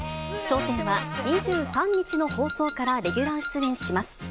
笑点は２３日の放送からレギュラー出演します。